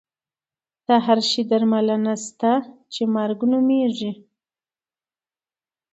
د هر شي درملنه شته چې مرګ نومېږي.